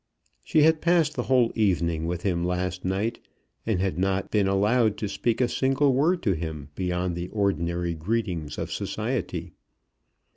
She had passed the whole evening with him last night, and had not been allowed to speak a single word to him beyond the ordinary greetings of society.